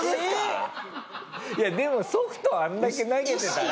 でもソフトあれだけ投げてたら。